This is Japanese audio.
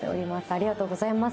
ありがとうございます。